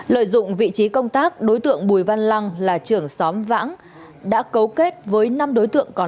lợi dụng vị trí công tác đối tượng bùi văn lăng là trưởng xóm vãng đã cấu kết với năm đối tượng có